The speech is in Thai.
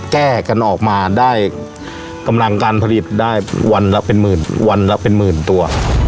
แก้กันออกมาได้กำลังการผลิตได้วันละเป็นหมื่นวันละเป็นหมื่นตัว